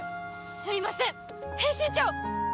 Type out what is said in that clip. すいません編集長！